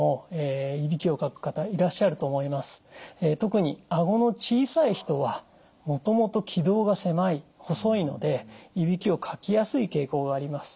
特にあごの小さい人はもともと気道が狭い細いのでいびきをかきやすい傾向があります。